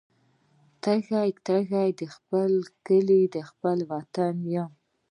تږي، تږي د خپل کلي خپل وطن یم